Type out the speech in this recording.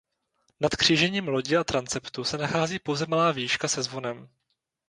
Nad křížením lodi a transeptu se nachází pouze malá vížka se zvonem.